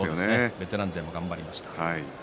ベテラン勢も頑張りました。